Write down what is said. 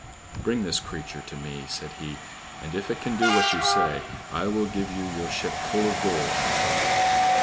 "Bring this creature to me," said he, "and if it can do what you say, I will give you your ship full of gold for her."